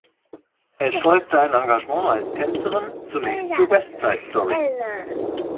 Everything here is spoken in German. Es folgte ein Engagement als Tänzerin, zunächst für "West Side Story".